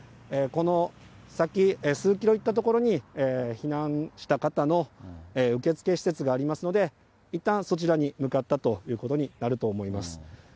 この先、数キロ行ったところに避難した方の受付施設がありますので、いったん、そちらに向かったということになると思います。